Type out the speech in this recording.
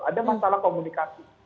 ada masalah komunikasi